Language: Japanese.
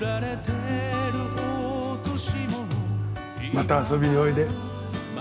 また遊びにおいで。